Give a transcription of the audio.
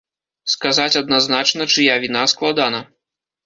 Сказаць адназначна, чыя віна, складана.